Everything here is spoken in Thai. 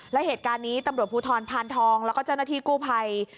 และเหตุการณ์นี้กระทั่วที่กู้ภัย